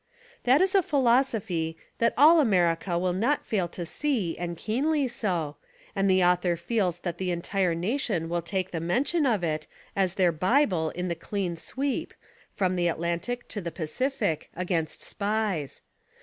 16 SPY PROOF AMERICA That is a philosophy that all America will not fail to see and keenly so, and tihe author feels that the entire nation will take the mention of it as their bible in the clean sweep, from the Atlantic to the Pacific, against SPIES.